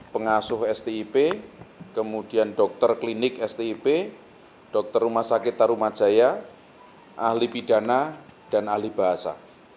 pengasuh stip kemudian dokter klinik stip dokter rumah sakit tarumajaya ahli pidana dan ahli bahasa